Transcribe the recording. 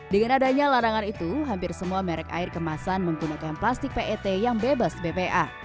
dengan adanya larangan itu hampir semua merek air kemasan menggunakan plastik pet yang bebas bpa